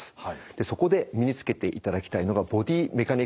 そこで身につけていただきたいのがボディメカニクスという技術なんですね。